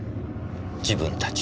「自分たち」